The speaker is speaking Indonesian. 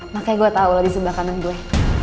makanya gue tau lo di sebelah kanan gue